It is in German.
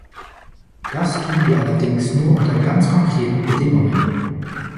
Das tun wir allerdings nur unter ganz konkreten Bedingungen.